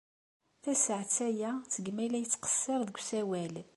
Tasaɛet aya seg mi ay la yettqeṣṣir deg usawal.